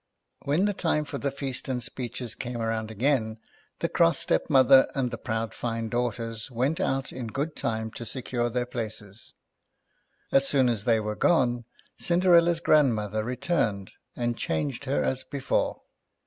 ^Yhen the time for the feast and speeches came round again, the cross stepmother and the proud fine daughters went out in good time to secure their places. As soon as they were gone, Cinderella's gi andmother returned and changed her as before.